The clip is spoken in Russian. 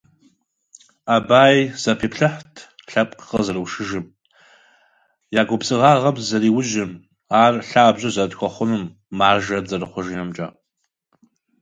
Абай рассматривал национальное пробуждение и интеллектуальное развитие как основу для процветания и независимости народа.